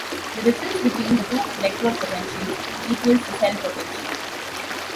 The difference between the two electrode potentials equals the cell potential.